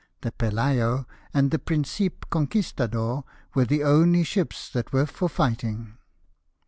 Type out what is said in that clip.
The Pelayo and the Principe Conquistador were the only ships that were for fighting.